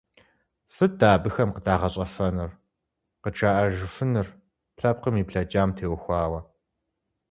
Сыт дэ абыхэм къыдагъэщӀэфэнур, къыджаӀэжыфынур лъэпкъым и блэкӀам теухуауэ?